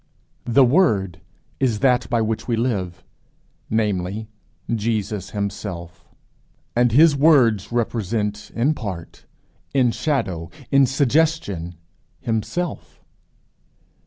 The Word is that by which we live, namely, Jesus himself; and his words represent, in part, in shadow, in suggestion, himself.